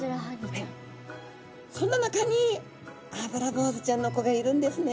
そんな中にアブラボウズちゃんの子がいるんですね。